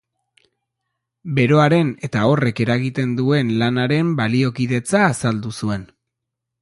Beroaren eta horrek eragiten duen lanaren baliokidetza azaldu zuen.